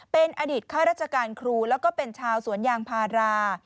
เป็นอดีตข้าราชการครูแล้วก็เป็นชาวสวนยางพารา